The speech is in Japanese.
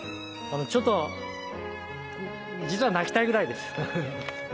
ちょっと実は泣きたいぐらいです。